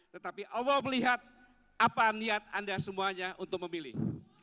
tetapi allah melihat apa niat anda semuanya untuk memilih